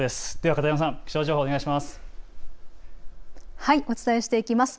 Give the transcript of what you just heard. では片山さん、気象情報お願いします。